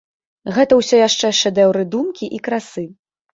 Гэта ўсё яшчэ шэдэўры думкі і красы.